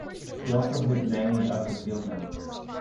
She also hid many of her field notes.